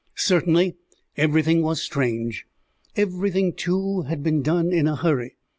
Certainly everything was strange. Everything, too, had been done in a hurry.